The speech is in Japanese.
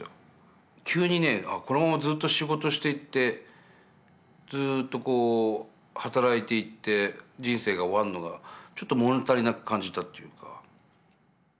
急にねこのままずっと仕事していってずっと働いていって人生が終わるのがちょっと物足りなく感じたというか。